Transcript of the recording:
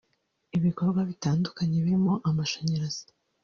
ibikorwa bitandukanye birimo amashanyarazi